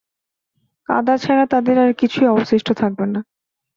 কাদা ছাড়া তাদের আর কিছুই অবশিষ্ট থাকবে না।